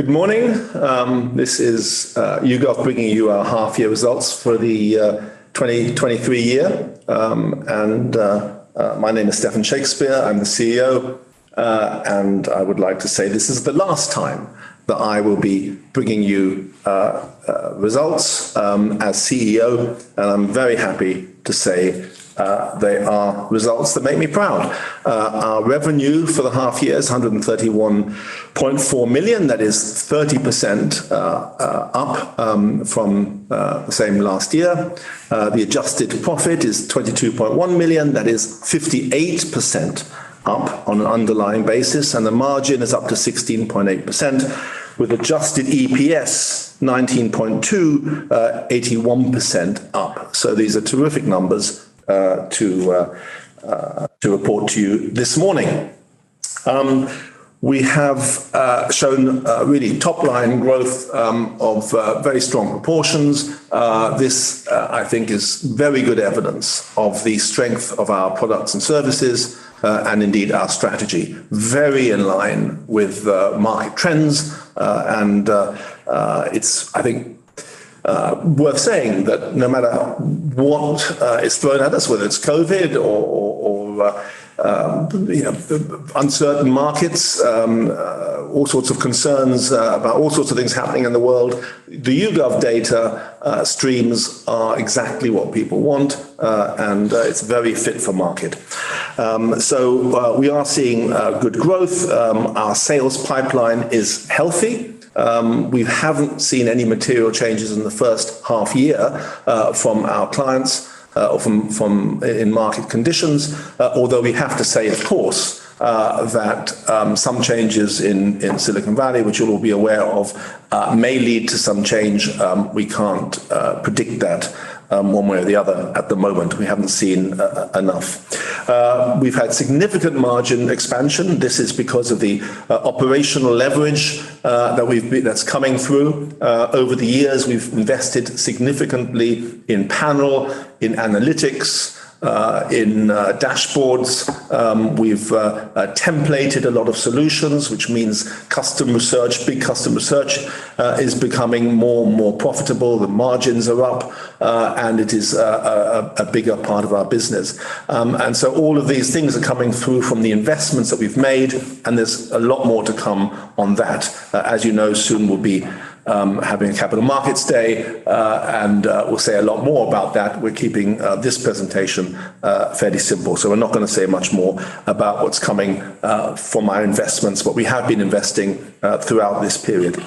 Good morning. This is YouGov bringing you our half-year results for the 2023 year. My name is Stephan Shakespeare. I'm the CEO. I would like to say this is the last time that I will be bringing you results as CEO, and I'm very happy to say they are results that make me proud. Our revenue for the half year is 131.4 million. That is 30% up from the same last year. The adjusted profit is 22.1 million, that is 58% up on an underlying basis, and the margin is up to 16.8% with adjusted EPS 0.192, 81% up. These are terrific numbers to report to you this morning. We have shown really top-line growth of very strong proportions. This, I think, is very good evidence of the strength of our products and services, and indeed our strategy. Very in line with market trends, and it's, I think, worth saying that no matter what is thrown at us, whether it's COVID or, you know, uncertain markets, all sorts of concerns about all sorts of things happening in the world, the YouGov data streams are exactly what people want, and it's very fit for market. We are seeing good growth. Our sales pipeline is healthy. We haven't seen any material changes in the first half year from our clients, in market conditions. Although we have to say, of course, that some changes in Silicon Valley, which you'll all be aware of, may lead to some change. We can't predict that one way or the other at the moment. We haven't seen enough. We've had significant margin expansion. This is because of the operational leverage that's coming through. Over the years, we've invested significantly in panel, in analytics, in dashboards. We've templated a lot of solutions, which means Custom Research, big customer search, is becoming more and more profitable. The margins are up, and it is a bigger part of our business. All of these things are coming through from the investments that we've made, and there's a lot more to come on that. As you know, soon we'll be having a Capital Markets Day, and we'll say a lot more about that. We're keeping this presentation fairly simple, so we're not going to say much more about what's coming from our investments, but we have been investing throughout this period.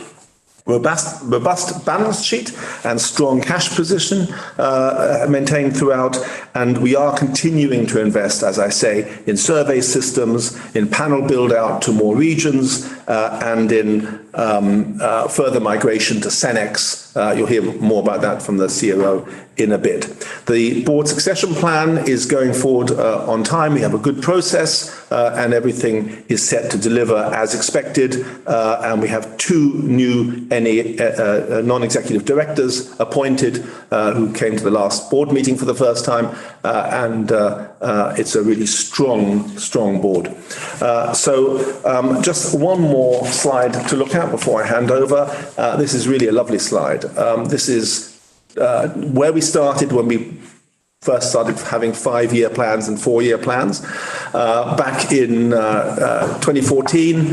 Robust balance sheet and strong cash position maintained throughout, and we are continuing to invest, as I say, in survey systems, in panel build-out to more regions, and in further migration to Cenex. You'll hear more about that from the COO in a bit. The board succession plan is going forward on time. We have a good process, and everything is set to deliver as expected. We have 2 new non-executive directors appointed, who came to the last board meeting for the first time, and it's a really strong board. Just 1 more slide to look at before I hand over. This is really a lovely slide. This is where we started when we first started having 5-year plans and 4-year plans. Back in 2014,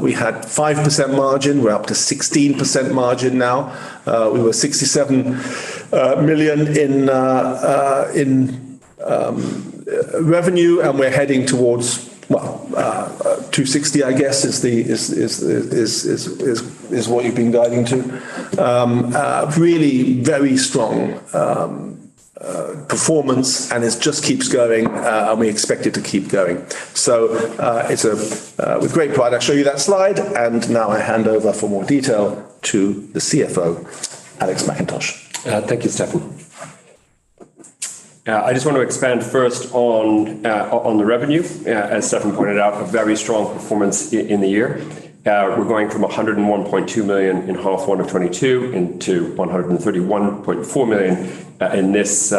we had 5% margin. We're up to 16% margin now. We were 67 million in revenue, and we're heading towards 260 million, I guess, is what you've been guiding to. Really very strong performance, and it just keeps going, and we expect it to keep going. It's with great pride I show you that slide, and now I hand over for more detail to the CFO, Alex McIntosh. Thank you, Stephan. I just want to expand first on the revenue. As Stephan pointed out, a very strong performance in the year. We're going from 101.2 million in HY '22 into 131.4 million in this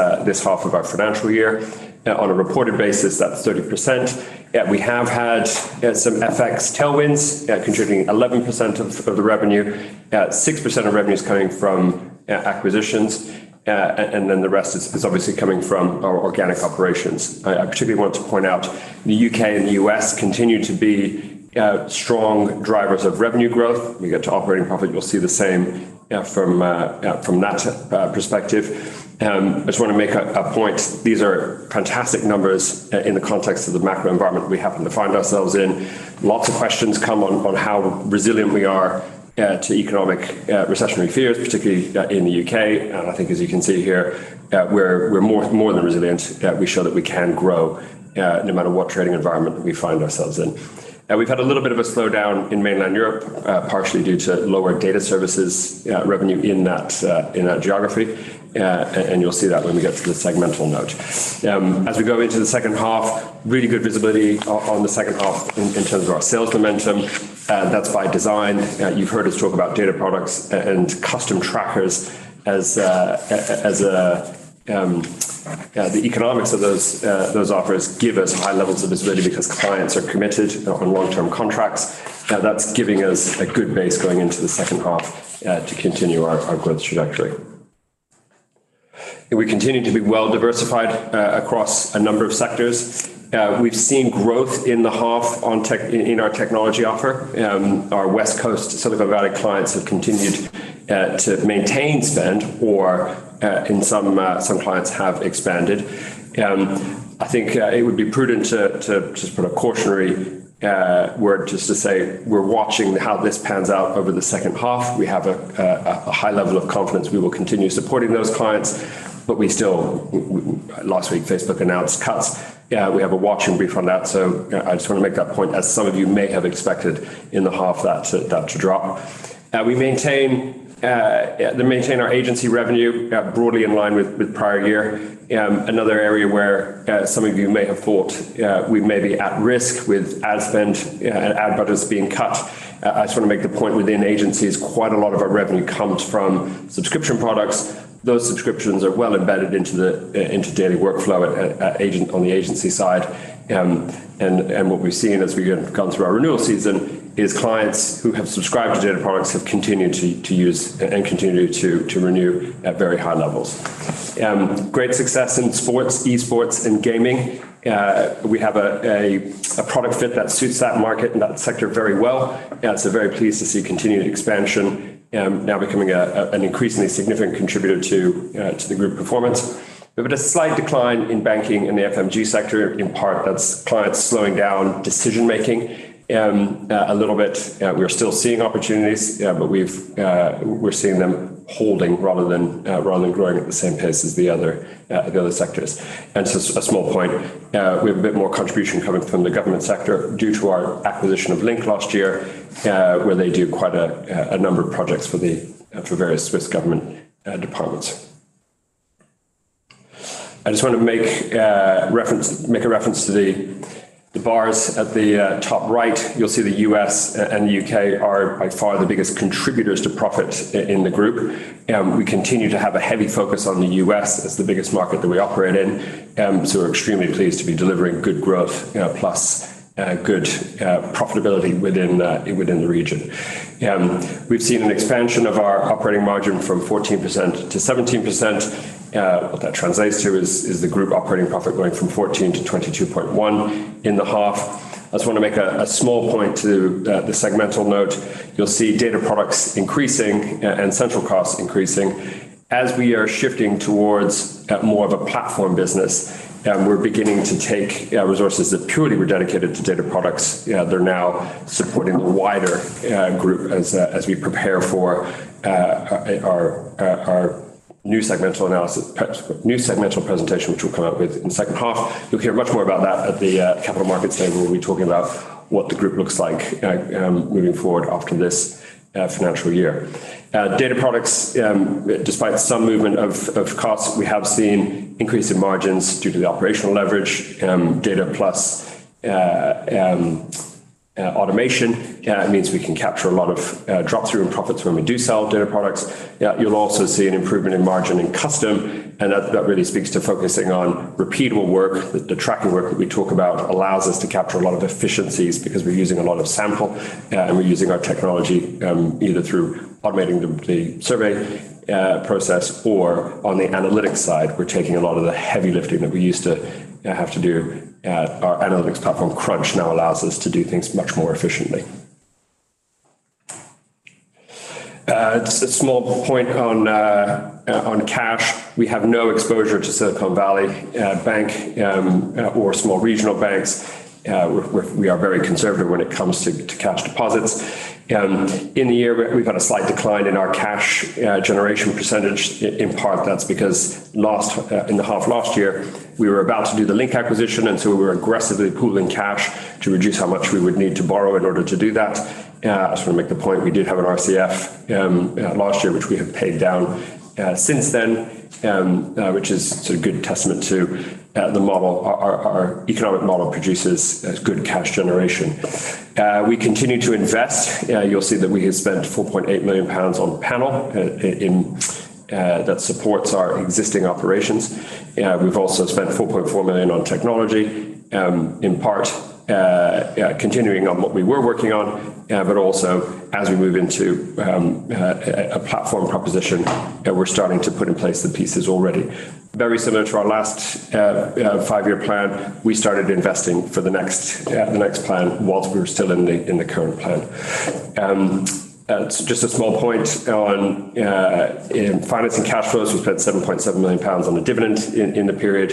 half of our financial year. On a reported basis, that's 30%. We have had some FX tailwinds contributing 11% of the revenue. 6% of revenue is coming from acquisitions, and then the rest is obviously coming from our organic operations. I particularly want to point out the UK and the US continue to be strong drivers of revenue growth. When we get to operating profit, you'll see the same from that perspective. I just want to make a point. These are fantastic numbers in the context of the macro environment we happen to find ourselves in. Lots of questions come on how resilient we are to economic recessionary fears, particularly in the UK. I think as you can see here, we're more than resilient. We show that we can grow no matter what trading environment that we find ourselves in. We've had a little bit of a slowdown in mainland Europe partially due to lower data services revenue in that in that geography. You'll see that when we get to the segmental note. As we go into the second half, really good visibility on the second half in terms of our sales momentum. That's by design. You've heard us talk about data products and Custom Trackers. Yeah, the economics of those offers give us high levels of visibility because clients are committed on long-term contracts. That's giving us a good base going into the second half to continue our growth trajectory. We continue to be well diversified across a number of sectors. We've seen growth in the half in our technology offer. Our West Coast Silicon Valley clients have continued to maintain spend or and some clients have expanded. I think it would be prudent to just put a cautionary word just to say we're watching how this pans out over the second half. We have a high level of confidence we will continue supporting those clients. Last week Facebook announced cuts. We have a watching brief on that, I just want to make that point. As some of you may have expected in the half that to drop. We maintain our agency revenue broadly in line with prior year. Another area where some of you may have thought we may be at risk with ad spend and ad budgets being cut. I just want to make the point within agencies, quite a lot of our revenue comes from subscription products. Those subscriptions are well embedded into the daily workflow on the agency side. What we've seen as we've gone through our renewal season is clients who have subscribed to data products have continued to use and continue to renew at very high levels. Great success in sports, esports, and gaming. We have a product fit that suits that market and that sector very well. Very pleased to see continued expansion, now becoming an increasingly significant contributor to the group performance. We've had a slight decline in banking and the FMCG sector. In part that's clients slowing down decision-making, a little bit. We're still seeing opportunities, but we've, we're seeing them holding rather than growing at the same pace as the other sectors. Just a small point, we have a bit more contribution coming from the government sector due to our acquisition of Link last year, where they do quite a number of projects for the for various Swiss government departments. I just want to make a reference to the bars at the top right. You'll see the U.S. and the U.K. are by far the biggest contributors to profit in the group. We continue to have a heavy focus on the U.S. as the biggest market that we operate in. We're extremely pleased to be delivering good growth, you know, plus good profitability within the region. We've seen an expansion of our operating margin from 14% to 17%. What that translates to is the group operating profit going from 14 to 22.1 in the half. I just want to make a small point to the segmental note. You'll see data products increasing and central costs increasing. As we are shifting towards more of a platform business, we're beginning to take resources that purely were dedicated to data products, they're now supporting the wider group as we prepare for our new segmental presentation, which we'll come out with in the second half. You'll hear much more about that at the Capital Markets Day, where we'll be talking about what the group looks like moving forward after this financial year. Data products, despite some movement of costs, we have seen increase in margins due to the operational leverage, data plus automation. It means we can capture a lot of drop-through in profits when we do sell data products. You'll also see an improvement in margin in Custom, and that really speaks to focusing on repeatable work. The tracker work that we talk about allows us to capture a lot of efficiencies because we're using a lot of sample, and we're using our technology, either through automating the survey process or on the analytics side. We're taking a lot of the heavy lifting that we used to have to do. Our analytics platform, Crunch, now allows us to do things much more efficiently. Just a small point on cash. We have no exposure to Silicon Valley Bank or small regional banks. We are very conservative when it comes to cash deposits. In the year we've had a slight decline in our cash generation percentage. In part that's because last in the half last year, we were about to do the LINK acquisition, we were aggressively pooling cash to reduce how much we would need to borrow in order to do that. I just want to make the point we did have an RCF last year, which we have paid down since then, which is a good testament to the model. Our economic model produces good cash generation. We continue to invest. You'll see that we have spent 4.8 million pounds on panel in that supports our existing operations. We've also spent 4.4 million on technology, in part, continuing on what we were working on, but also as we move into a platform proposition, we're starting to put in place the pieces already. Very similar to our last 5-year plan, we started investing for the next plan whilst we were still in the current plan. Just a small point on financing cash flows. We've spent 7.7 million pounds on the dividend in the period,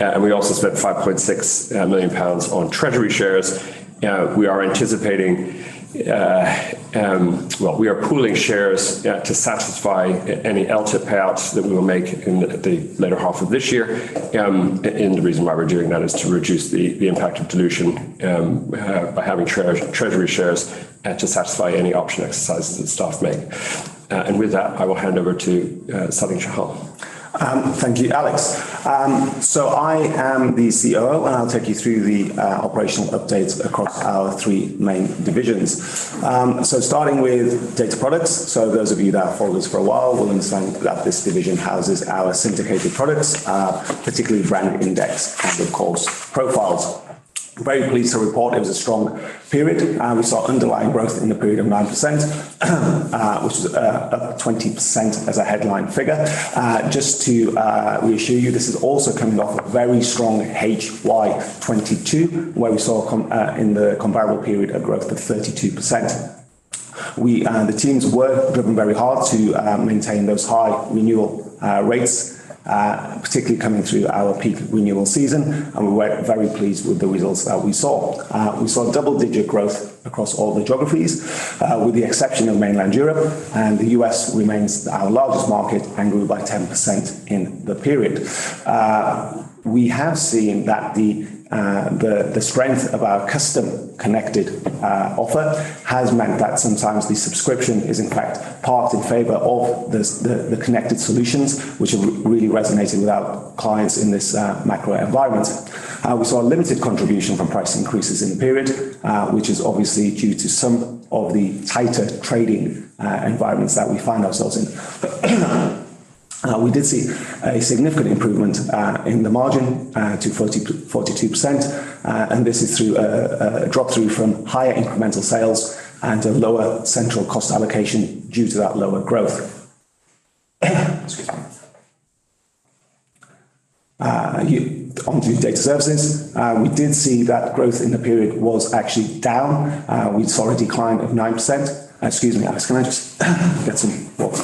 and we also spent 5.6 million pounds on treasury shares. We are anticipating. Well, we are pooling shares, to satisfy any LTIP payouts that we will make in the latter half of this year. The reason why we're doing that is to reduce the impact of dilution, by having treasury shares, to satisfy any option exercises that staff make. With that, I will hand over to Sundip Chahal. Thank you, Alex. I am the COO, and I'll take you through the operational updates across our three main divisions. Starting with data products. Those of you that have followed us for a while will understand that this division houses our syndicated products, particularly BrandIndex and of course Profiles. Very pleased to report it was a strong period. We saw underlying growth in the period of 9%, which is up 20% as a headline figure. Just to reassure you, this is also coming off a very strong HY '22, where we saw in the comparable period a growth of 32%. The teams worked, driven very hard to maintain those high renewal rates, particularly coming through our peak renewal season. We're very pleased with the results that we saw. We saw double-digit growth across all the geographies, with the exception of mainland Europe. The U.S. remains our largest market and grew by 10% in the period. We have seen that the strength of our custom connected offer has meant that sometimes the subscription is in fact parked in favor of the connected solutions, which are really resonating with our clients in this macro environment. We saw a limited contribution from price increases in the period, which is obviously due to some of the tighter trading environments that we find ourselves in. We did see a significant improvement in the margin, to 40-42%. This is through a drop through from higher incremental sales and a lower central cost allocation due to that lower growth. Excuse me. Onto data services. We did see that growth in the period was actually down. We saw a decline of 9%. Excuse me, Alex, can I just get some water?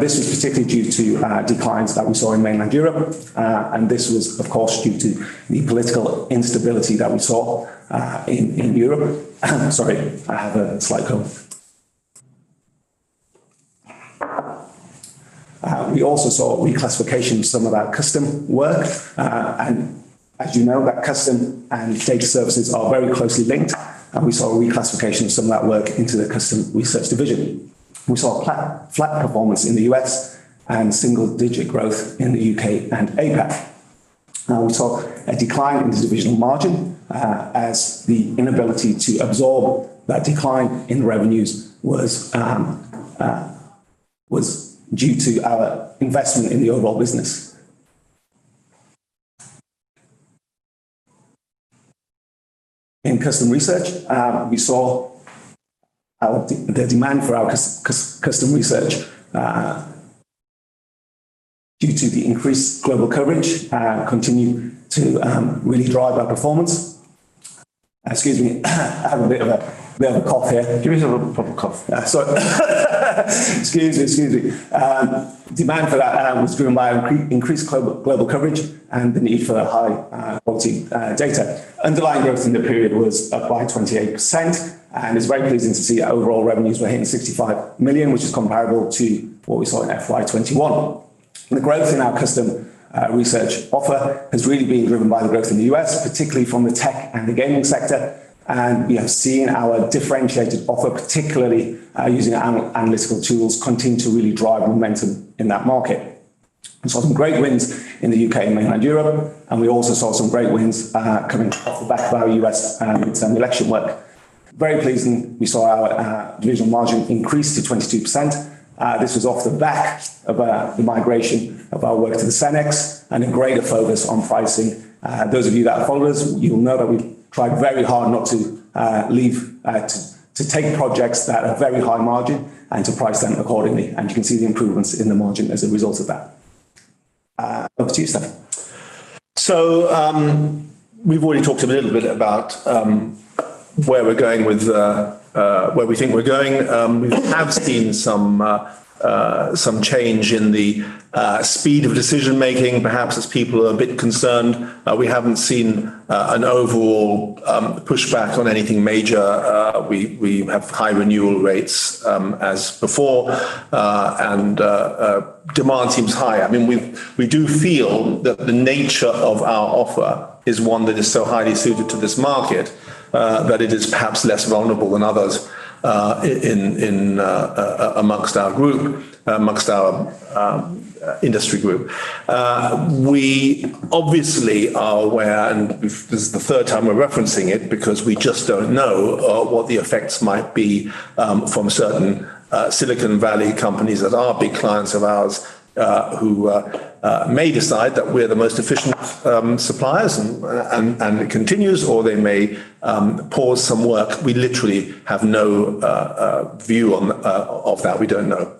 This was particularly due to declines that we saw in mainland Europe. This was of course, due to the political instability that we saw in Europe. Sorry, I have a slight cold. We also saw reclassification of some of our custom work. As you know, that Custom and data services are very closely linked, and we saw a reclassification of some of that work into the Custom Research division. We saw flat performance in the U.S. and single digit growth in the U.K. and APAC. We saw a decline in the divisional margin, as the inability to absorb that decline in revenues was due to our investment in the overall business. In Custom Research, we saw the demand for our Custom Research, due to the increased global coverage, continue to really drive our performance. Excuse me, I have a bit of a cough here. Give me some proper cough. Yeah. Excuse me, excuse me. Demand for that was driven by increased global coverage and the need for high quality data. Underlying growth in the period was up by 28%, and it's very pleasing to see our overall revenues were hitting 65 million, which is comparable to what we saw in FY '21. The growth in our Custom Research offer has really been driven by the growth in the U.S., particularly from the tech and the gaming sector. We have seen our differentiated offer, particularly using analytical tools, continue to really drive momentum in that market. We saw some great wins in the U.K. and mainland Europe, and we also saw some great wins coming off the back of our U.S. mid-term election work. Very pleasing, we saw our divisional margin increase to 22%. This was off the back of the migration of our work to the Cenex and a greater focus on pricing. Those of you that follow us, you'll know that we try very hard not to take projects that are very high margin and to price them accordingly, and you can see the improvements in the margin as a result of that. Over to you, Stephan. We've already talked a little bit about where we're going with where we think we're going. We have seen some change in the speed of decision-making, perhaps as people are a bit concerned. We haven't seen an overall pushback on anything major. We have high renewal rates as before, and demand seems high. I mean, we do feel that the nature of our offer is one that is so highly suited to this market that it is perhaps less vulnerable than others in amongst our group, amongst our industry group. We obviously are aware, this is the 3rd time we're referencing it because we just don't know what the effects might be from certain Silicon Valley companies that are big clients of ours, who may decide that we're the most efficient suppliers and it continues, or they may pause some work. We literally have no view on of that. We don't know.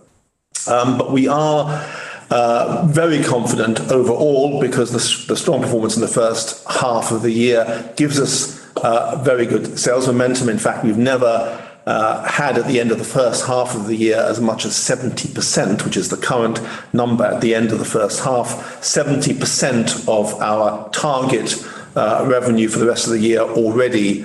We are very confident overall because the strong performance in the first half of the year gives us very good sales momentum. In fact, we've never had at the end of the first half of the year as much as 70%, which is the current number at the end of the first half. 70% of our target revenue for the rest of the year already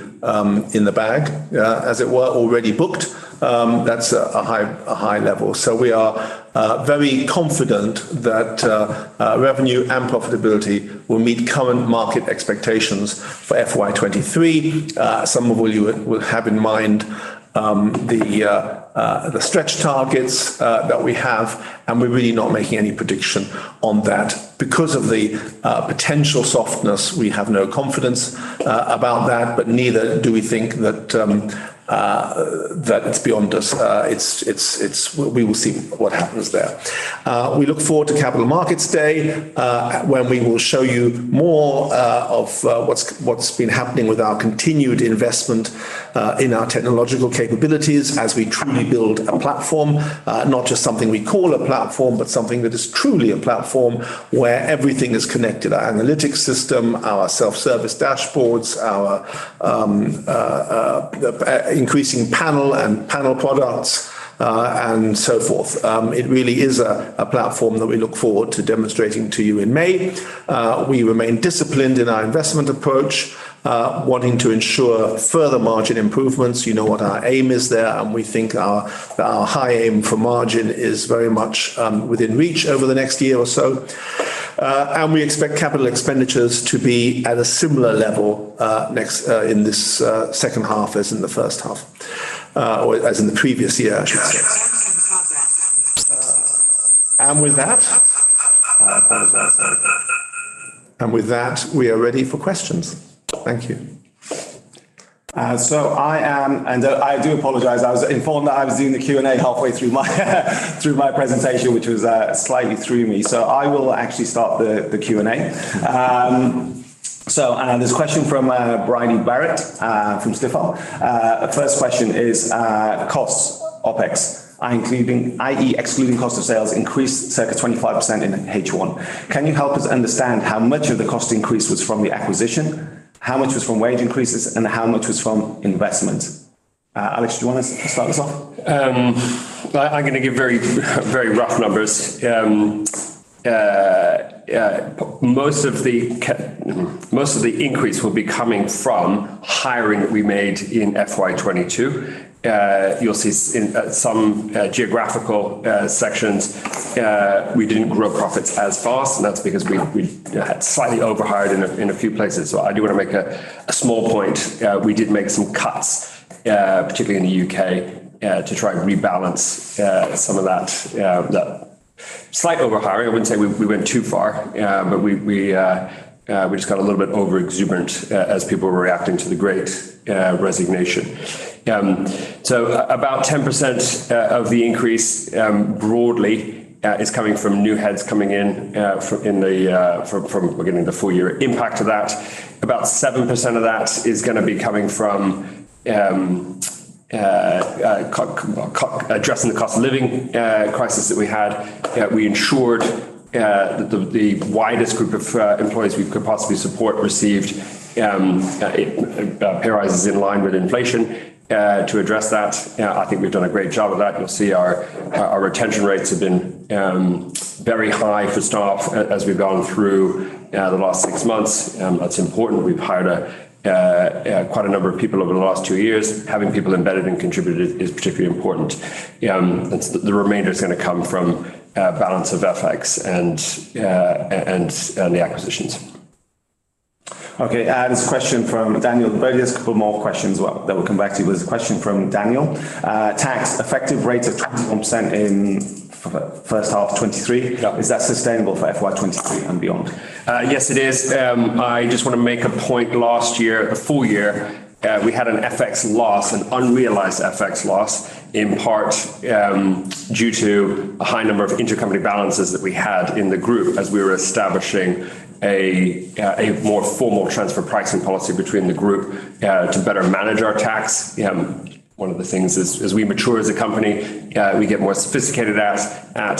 in the bag, as it were already booked. That's a high level. We are very confident that revenue and profitability will meet current market expectations for FY '23. Some of you will have in mind the stretch targets that we have. We're really not making any prediction on that. Because of the potential softness, we have no confidence about that. Neither do we think that it's beyond us. We will see what happens there. We look forward to Capital Markets Day, where we will show you more of what's been happening with our continued investment in our technological capabilities as we truly build a platform. Not just something we call a platform, but something that is truly a platform where everything is connected. Our analytics system, our self-service dashboards, our increasing panel and panel products, and so forth. It really is a platform that we look forward to demonstrating to you in May. We remain disciplined in our investment approach, wanting to ensure further margin improvements. You know what our aim is there, we think our high aim for margin is very much within reach over the next year or so. We expect capital expenditures to be at a similar level in this second half as in the first half, or as in the previous year. With that, we are ready for questions. Thank you. I do apologize. I was informed that I was doing the Q&A halfway through my presentation, which was slightly threw me. I will actually start the Q&A. There's a question from Bridie Barrett from Stifel. First question is, costs, OpEx, i.e., excluding cost of sales increased circa 25% in H1. Can you help us understand how much of the cost increase was from the acquisition, how much was from wage increases, and how much was from investment? Alex, do you want to start us off? I'm going to give very, very rough numbers. Most of the increase will be coming from hiring that we made in FY '22. You'll see in some geographical sections, we didn't grow profits as fast, and that's because we, uh, had slightly overhired in a few places. I do want to make a small point. We did make some cuts, particularly in the U.K., to try and rebalance some of that the slight Overhiring. I wouldn't say we went too far, but we, uh, we just got a little bit overexuberant as people were reacting to the great resignation. About 10% of the increase, broadly, is coming from new heads coming in. We're getting the full year impact of that. About 7% of that is going to be coming from addressing the cost of living crisis that we had. We ensured the widest group of employees we could possibly support received pay rises in line with inflation. To address that, I think we've done a great job of that. You'll see our retention rates have been very high for staff as we've gone through the last six months. That's important. We've hired quite a number of people over the last two years. Having people embedded and contributed is particularly important. The remainder is going to come from balance of FX and the acquisitions. Okay. There's a question from Daniel. There's a couple more questions well that we'll come back to. There's a question from Daniel. Tax, effective rate of 21% in first half 2023. Yeah. Is that sustainable for FY '23 and beyond? Yes, it is. I just want to make a point. Last year, the full year, we had an FX loss, an unrealized FX loss, in part, due to a high number of intercompany balances that we had in the group as we were establishing a more formal transfer pricing policy between the group to better manage our tax. One of the things as we mature as a company, we get more sophisticated at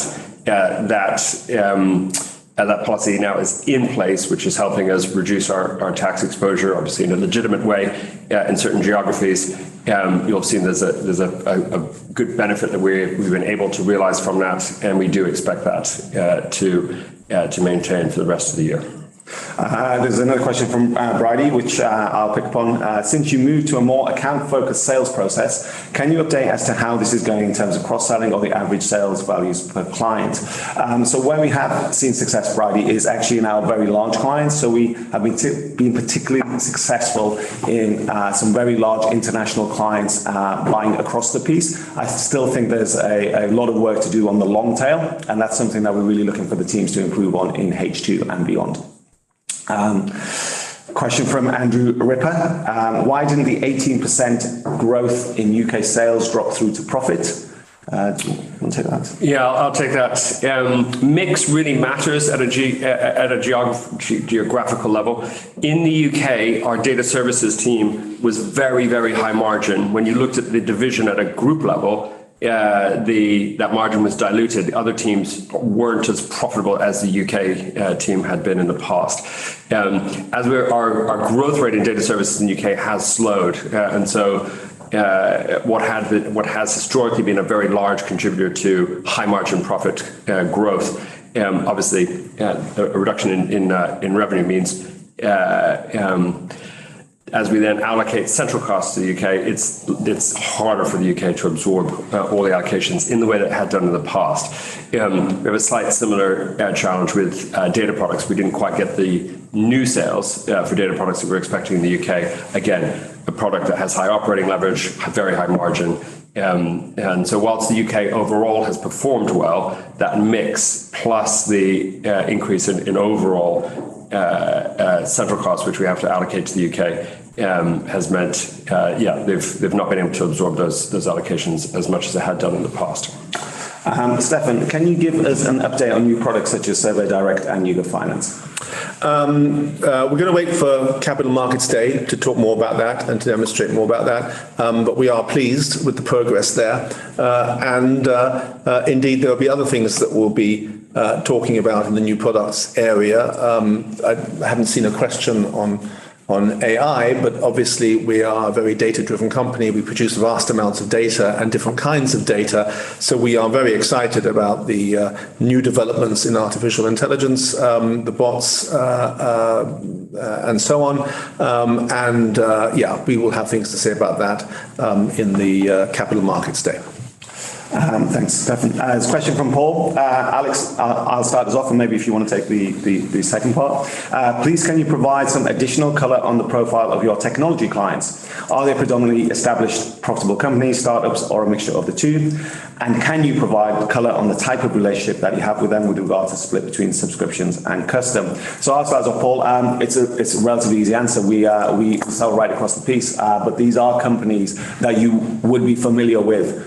that policy now is in place, which is helping us reduce our tax exposure, obviously in a legitimate way, in certain geographies. You'll have seen there's a good benefit that we've been able to realize from that, and we do expect that to maintain for the rest of the year. There's another question from Bridie, which I'll pick upon. Since you moved to a more account-focused sales process, can you update as to how this is going in terms of cross-selling or the average sales values per client? Where we have seen success, Bridie, is actually in our very large clients. We have been particularly successful in some very large international clients, buying across the piece. I still think there's a lot of work to do on the long tail, and that's something that we're really looking for the teams to improve on in H2 and beyond. Question from Andrew Ripper. Why didn't the 18% growth in U.K. sales drop through to profit? Do you want to take that? Yeah, I'll take that. mix really matters at a geographical level. In the UK, our data services team was very high margin. When you looked at the division at a group level, that margin was diluted. The other teams weren't as profitable as the UK team had been in the past. as our growth rate in data services in the UK has slowed. what has historically been a very large contributor to high-margin profit growth, obviously a reduction in revenue means as we then allocate central costs to the UK, it's harder for the UK to absorb all the allocations in the way that it had done in the past. We have a slight similar challenge with data products. We didn't quite get the new sales for data products that we're expecting in the UK. Again, a product that has high operating leverage, very high margin. Whilst the UK overall has performed well, that mix plus the increase in overall central costs, which we have to allocate to the UK, has meant, yeah, they've not been able to absorb those allocations as much as they had done in the past. Stephan, can you give us an update on new products such as SurveyDirect and YouGov Finance? We're going to wait for Capital Markets Day to talk more about that and to demonstrate more about that. We are pleased with the progress there. Indeed, there'll be other things that we'll be talking about in the new products area. I haven't seen a question on AI, obviously we are a very data-driven company. We produce vast amounts of data and different kinds of data, we are very excited about the new developments in artificial intelligence, the bots, and so on. Yeah, we will have things to say about that in the Capital Markets Day. Thanks, Stephan. There's a question from Paul. Alex, I'll start this off, and maybe if you want to take the second part. Please, can you provide some additional color on the profile of your technology clients? Are they predominantly established profitable companies, startups, or a mixture of the two? Can you provide color on the type of relationship that you have with them with regard to split between subscriptions and custom? I'll start us off, Paul. It's a relatively easy answer. We sell right across the piece, but these are companies that you would be familiar with.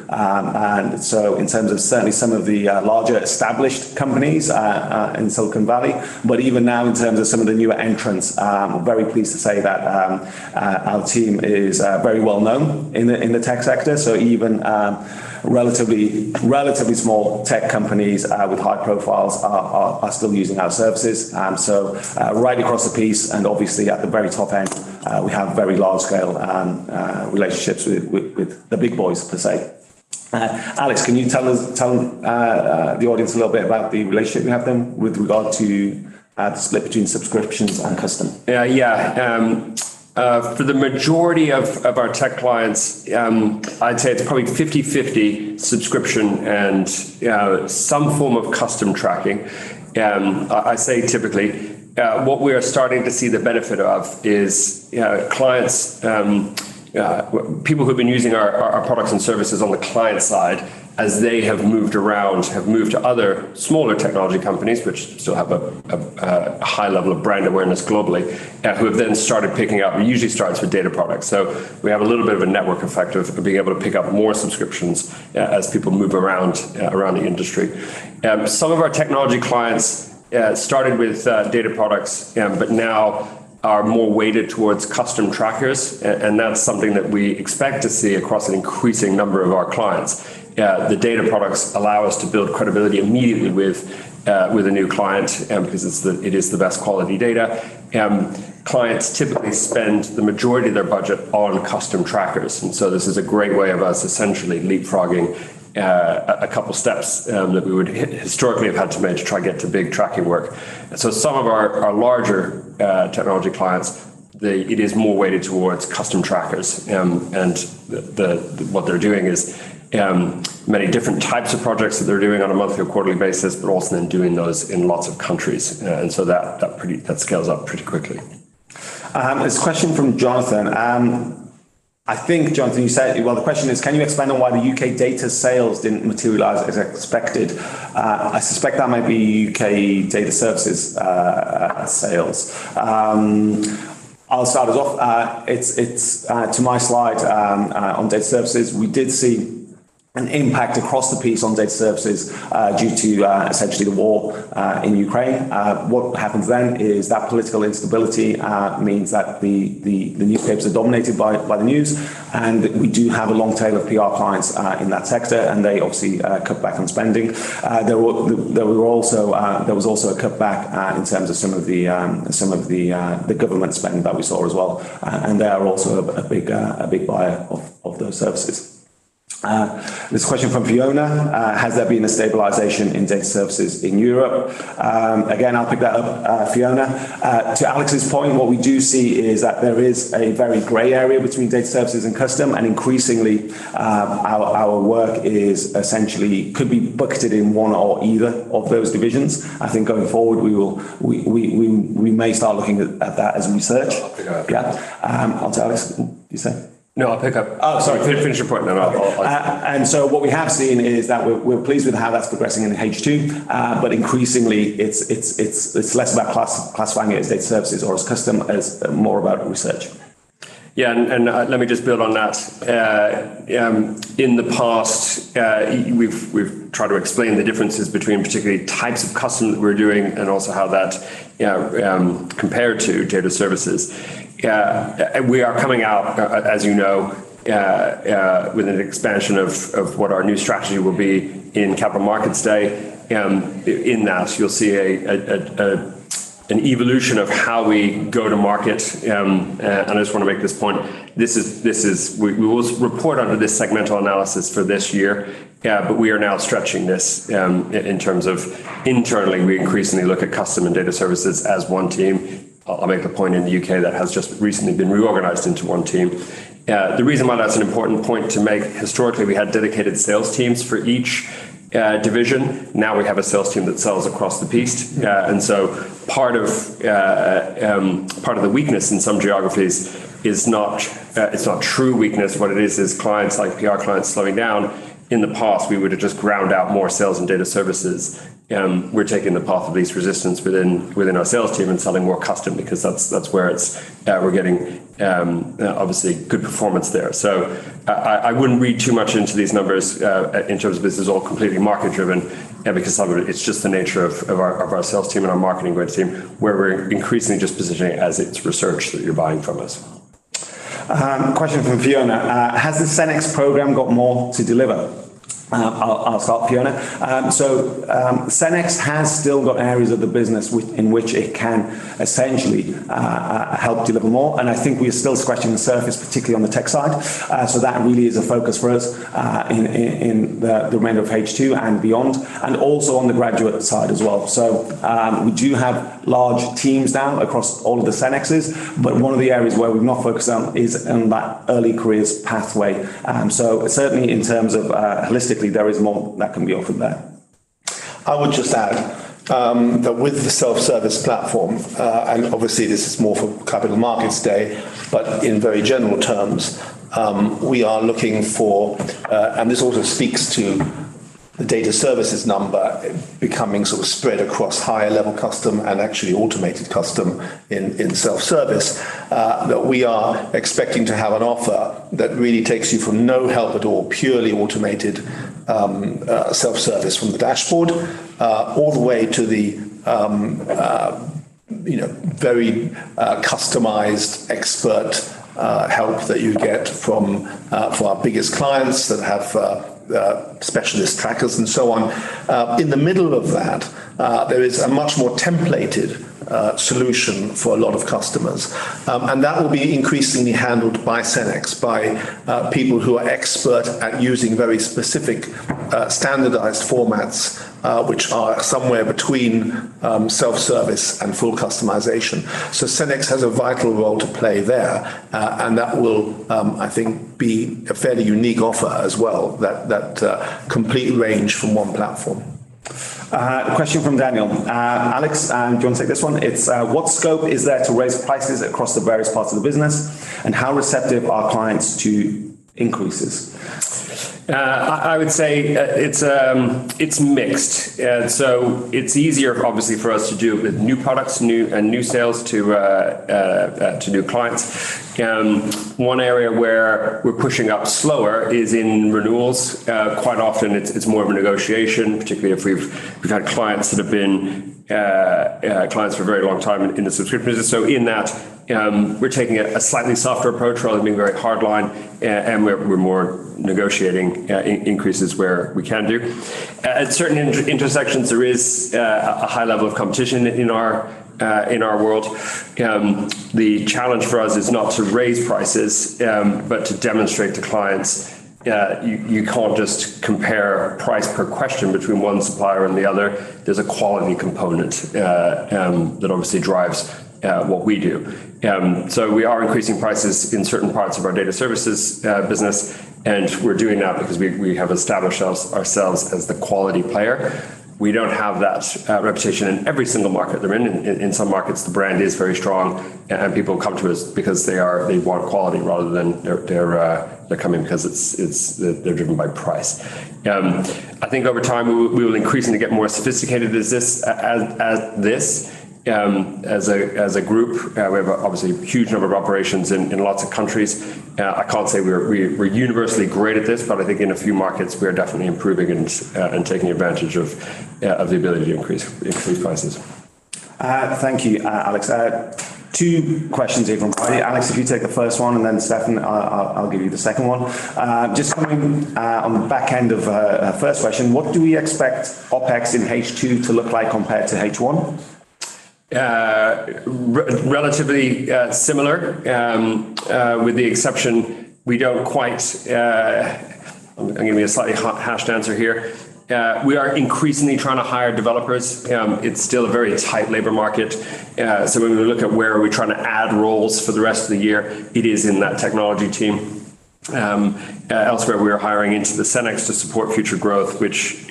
In terms of certainly some of the larger established companies in Silicon Valley, but even now in terms of some of the newer entrants, we're very pleased to say that our team is very well known in the tech sector. Even relatively small tech companies with high profiles are still using our services. Right across the piece and obviously at the very top end, we have very large scale relationships with the big boys per se. Alex, can you tell the audience a little bit about the relationship you have then with regard to the split between subscriptions and custom? Yeah. Yeah. For the majority of our tech clients, I'd say it's probably 50/50 subscription and some form of custom tracking. I say typically. What we are starting to see the benefit of is, you know, clients, people who've been using our products and services on the client side as they have moved around, have moved to other smaller technology companies which still have a high level of brand awareness globally, who have then started picking up. It usually starts with data products. We have a little bit of a network effect of being able to pick up more subscriptions as people move around the industry. Some of our technology clients started with data products, but now are more weighted towards Custom Trackers. That's something that we expect to see across an increasing number of our clients. The data products allow us to build credibility immediately with a new client because it is the best quality data. Clients typically spend the majority of their budget on Custom Trackers, this is a great way of us essentially leapfrogging a couple steps that we would historically have had to make to try to get to big tracking work. Some of our larger technology clients, it is more weighted towards Custom Trackers. What they're doing is many different types of projects that they're doing on a monthly or quarterly basis, but also then doing those in lots of countries. That scales up pretty quickly. There's a question from Jonathan. I think, Jonathan, you said. Well, the question is, can you expand on why the U.K. data sales didn't materialize as expected? I suspect that might be U.K. data services sales. I'll start us off. It's, it's to my slide on data services. We did see an impact across the piece on data services due to essentially the war in Ukraine. What happens then is that political instability means that the newspapers are dominated by the news, and we do have a long tail of PR clients in that sector, and they obviously cut back on spending. There were also a cutback in terms of some of the government spending that we saw as well. They are also a big buyer of those services. There's a question from Fiona. Has there been a stabilization in data services in Europe? Again, I'll pick that up, Fiona. To Alex's point, what we do see is that there is a very gray area between data services and custom. Increasingly, our work is essentially could be bucketed in one or either of those divisions. I think going forward, we may start looking at that as research. I'll pick it up. Yeah. I'll tell Alex. You say? No, I'll pick up. Oh, sorry. Finish your point. No, no. I'll What we have seen is that we're pleased with how that's progressing into H2, but increasingly it's less about classifying it as Data Services or as custom as more about research. Yeah, let me just build on that. In the past, we've tried to explain the differences between particularly types of custom that we're doing and also how that, you know, compared to data services. We are coming out, as you know, with an expansion of what our new strategy will be in Capital Markets Day. In that you'll see an evolution of how we go to market. I just want to make this point. We will report under this segmental analysis for this year. We are now stretching this, in terms of internally, we increasingly look at custom and data services as one team. I'll make a point in the U.K. that has just recently been reorganized into one team. The reason why that's an important point to make, historically, we had dedicated sales teams for each division. Now we have a sales team that sells across the piece. Part of the weakness in some geographies is not, it's not true weakness. What it is clients like PR clients slowing down. In the past, we would have just ground out more sales and data services. We're taking the path of least resistance within our sales team and selling more custom because that's where it's, we're getting, obviously good performance there. I wouldn't read too much into these numbers, in terms of this is all completely market-driven, because some of it's just the nature of our sales team and our marketing web team, where we're increasingly just positioning it as it's research that you're buying from us. Question from Fiona. Has the Cenex program got more to deliver? I'll start, Fiona. Cenex has still got areas of the business in which it can essentially help deliver more, and I think we are still scratching the surface, particularly on the tech side. That really is a focus for us in the remainder of H2 and beyond, and also on the graduate side as well. We do have large teams now across all of the Cenexes, but one of the areas where we've not focused on is on that early careers pathway. Certainly in terms of holistically, there is more that can be offered there. I would just add, that with the self-service platform, and obviously this is more for Capital Markets Day, but in very general terms, we are looking for, and this also speaks to the data services number becoming sort of spread across higher level custom and actually automated custom in self-service, that we are expecting to have an offer that really takes you from no help at all, purely automated self-service from the dashboard, all the way to the, you know, very customized expert help that you get from for our biggest clients that have specialist trackers and so on. In the middle of that, there is a much more templated solution for a lot of customers. That will be increasingly handled by Senex, by people who are expert at using very specific standardized formats, which are somewhere between self-service and full customization. So Senex has a vital role to play there. That will, I think be a fairly unique offer as well, that complete range from one platform. A question from Daniel. Alex, do you want to take this one? It's, what scope is there to raise prices across the various parts of the business, and how receptive are clients to increases? I would say it's mixed. It's easier obviously for us to do with new products and new sales to new clients. One area where we're pushing up slower is in renewals. Quite often it's more of a negotiation, particularly if we've had clients that have been clients for a very long time in the subscription business. In that, we're taking a slightly softer approach rather than being very hard line. We're more negotiating increases where we can do. At certain intersections, there is a high level of competition in our world. The challenge for us is not to raise prices, but to demonstrate to clients, you can't just compare price per question between one supplier and the other. There's a quality component that obviously drives what we do. We are increasing prices in certain parts of our data services business, and we're doing that because we have established ourselves as the quality player. We don't have that reputation in every single market that we're in. In some markets, the brand is very strong and people come to us because they want quality rather than they're coming because it's they're driven by price. I think over time, we will increasingly get more sophisticated at this as a group. We have obviously a huge number of operations in lots of countries. I can't say we're universally great at this, but I think in a few markets we are definitely improving and taking advantage of the ability to increase prices. Thank you, Alex. Two questions here from Brian. Alex, if you take the first one, and then Stephan, I'll give you the second one. Just coming on the back end of a first question, what do we expect OpEx in H2 to look like compared to H1? Relatively similar, with the exception we don't quite. I'm giving a slightly hashed answer here. We are increasingly trying to hire developers. It's still a very tight labor market. When we look at where are we trying to add roles for the rest of the year, it is in that technology team. Elsewhere, we are hiring into the Senex to support future growth, which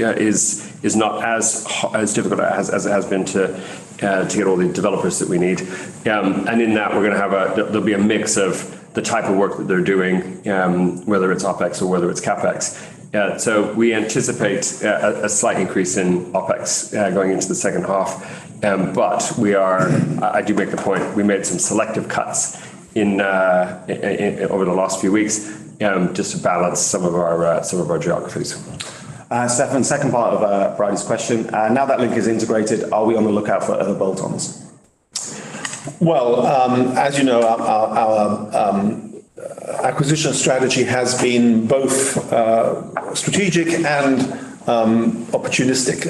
is not as difficult as it has been to get all the developers that we need. In that, there'll be a mix of the type of work that they're doing, whether it's OpEx or whether it's CapEx. We anticipate a slight increase in OpEx going into the second half. I do make the point, we made some selective cuts in over the last few weeks, just to balance some of our geographies. Stephan, second part of Brian's question. Now that Link is integrated, are we on the lookout for other Bolt-ons? Well, as you know, our acquisition strategy has been both strategic and opportunistic.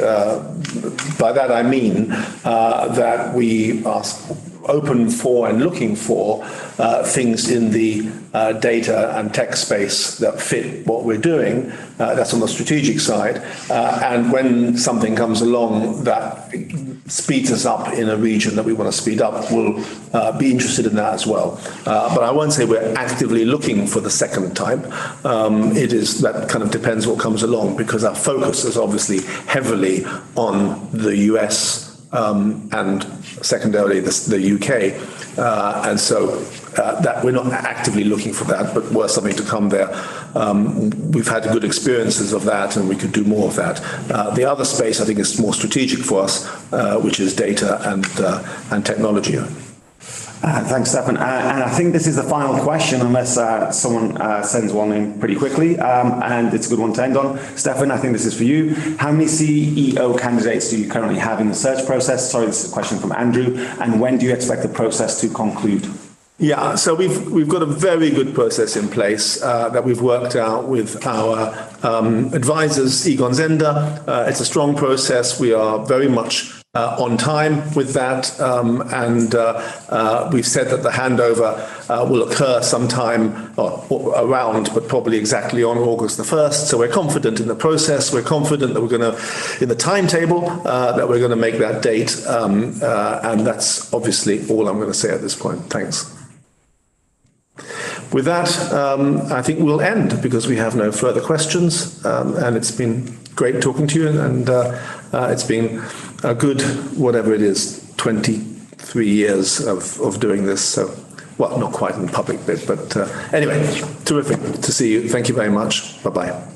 By that I mean that we are open for and looking for things in the data and tech space that fit what we're doing. That's on the strategic side. When something comes along that speeds us up in a region that we want to speed up, we'll be interested in that as well. I won't say we're actively looking for the second type. That kind of depends what comes along, because our focus is obviously heavily on the US, and secondarily the UK. That we're not actively looking for that, but were something to come there, we've had good experiences of that, and we could do more of that. The other space I think is more strategic for us, which is data and technology. Thanks, Stephan. I think this is the final question, unless someone sends one in pretty quickly, and it's a good one to end on. Stephan, I think this is for you. How many CEO candidates do you currently have in the search process? Sorry, this is a question from Andrew. When do you expect the process to conclude? Yeah. We've got a very good process in place that we've worked out with our advisors, Egon Zehnder. It's a strong process. We are very much on time with that. We've said that the handover will occur sometime around, but probably exactly on August the first. We're confident in the process. We're confident in the timetable that we're going to make that date. That's obviously all I'm going to say at this point. Thanks. With that, I think we'll end because we have no further questions. It's been great talking to you and it's been a good, whatever it is, 23 years of doing this, so. Well, not quite in the public bit, but anyway, terrific to see you. Thank you very much. Bye-bye.